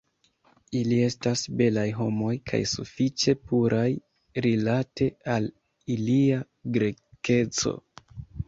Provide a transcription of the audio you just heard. Ili estas belaj homoj, kaj sufiĉe puraj rilate al ilia Grekeco.